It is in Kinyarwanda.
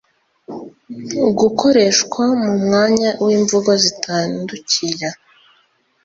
gukoreshwa mu mwanya w’imvugo zitandukira